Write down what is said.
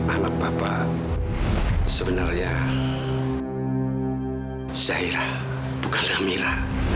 anak bapak sebenarnya zahira bukan amira